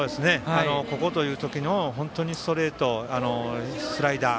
ここという時のストレート、スライダー。